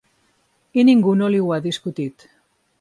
I ningú no li ho ha discutit.